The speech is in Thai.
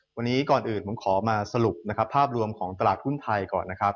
วันนี้ก่อนอื่นผมขอมาสรุปนะครับภาพรวมของตลาดหุ้นไทยก่อนนะครับ